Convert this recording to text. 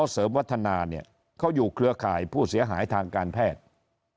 เสริมวัฒนาเนี่ยเขาอยู่เครือข่ายผู้เสียหายทางการแพทย์